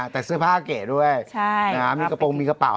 แต่เสื้อผ้าเก๋ด้วยมีกระโปรงมีกระเป๋า